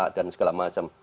dan segala macam